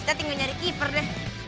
kita tinggal nyari keeper deh